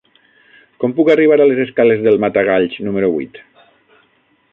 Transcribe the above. Com puc arribar a les escales del Matagalls número vuit?